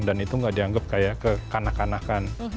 dan itu nggak dianggap kayak kekanak kanakan